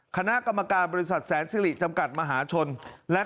คณะกรรมการบริษัทแสนสิริจำกัดมหาชนและ